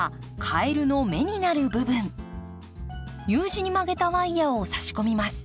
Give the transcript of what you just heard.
Ｕ字に曲げたワイヤーをさし込みます。